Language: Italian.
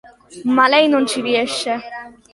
Ma lei non ci riesce.